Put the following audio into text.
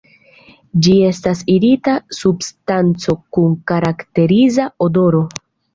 Ĝi estas irita substanco kun karakteriza odoro.